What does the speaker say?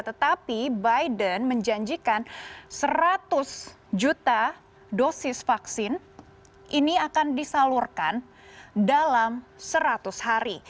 tetapi biden menjanjikan seratus juta dosis vaksin ini akan disalurkan dalam seratus hari